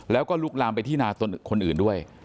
แล้วก็ลุกลามไปที่นาคนอื่นด้วย